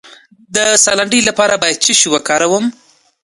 د ساه لنډۍ لپاره باید څه شی وکاروم؟